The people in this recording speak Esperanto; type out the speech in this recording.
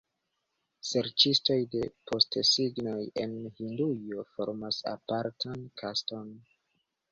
Serĉistoj de postesignoj en Hindujo formas apartan kaston.